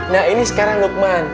nah ini sekarang lukman